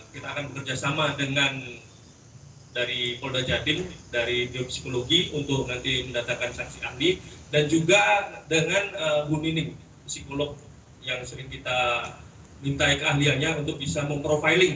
kita akan bekerjasama dengan dari polda jatim dari grup psikologi untuk nanti mendatangkan saksi ahli dan juga dengan bu nining psikolog yang sering kita minta keahliannya untuk bisa memprofiling